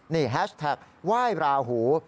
นี่แฮชแท็กไหว้ราหู